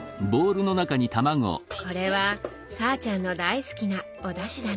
これはさぁちゃんの大好きなおだしだね。